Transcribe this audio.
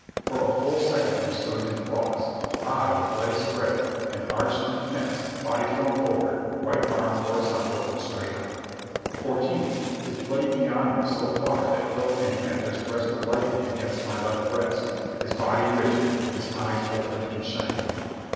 For a full second we stood in pause—I, with legs spread, and arched and tense, body thrown forward, right arm horizontal and straight out; Fortini, his blade beyond me so far that hilt and hand just rested lightly against my left breast, his body rigid, his eyes open and shining.